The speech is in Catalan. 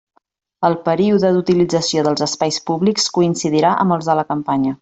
El període d'utilització dels espais públics coincidirà amb els de la campanya.